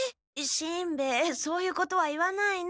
しんべヱそういうことは言わないの。